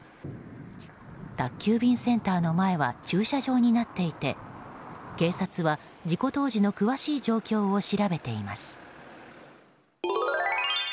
宅急便センターの前は駐車場となっていて警察は事故当時の詳しい状況を調べています。